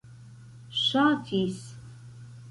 ŝatis